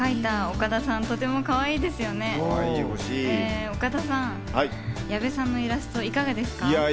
岡田さん、矢部さんのイラストいかがですか？